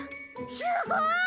すごい！